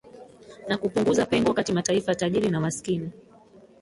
na kupunguza pengo kati mataifa tajiri na maskini